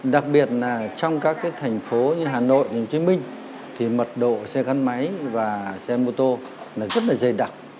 đặc biệt trong các thành phố như hà nội hồ chí minh mật độ xe gắn máy và xe mô tô rất dày đặc